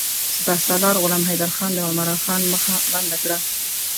سپه سالار غلام حیدرخان د عمرا خان مخه بنده کړه.